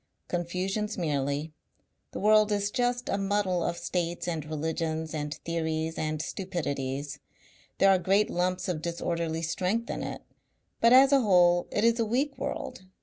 "Confusions merely. The world is just a muddle of states and religions and theories and stupidities. There are great lumps of disorderly strength in it, but as a whole it is a weak world.